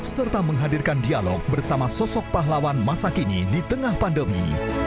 serta menghadirkan dialog bersama sosok pahlawan masa kini di tengah pandemi